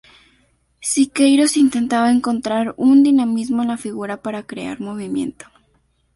Siqueiros intentaba encontrar un dinamismo en la figura para crear movimiento.